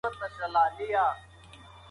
د پوهې ترلاسه کول د هر چا حق دی.